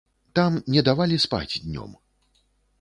Там не давалі спаць днём.